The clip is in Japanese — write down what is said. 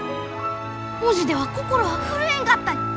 文字では心は震えんかったに！